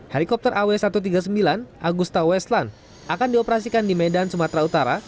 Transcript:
helikopter aw satu ratus tiga puluh sembilan agusta westlan akan dioperasikan di medan sumatera utara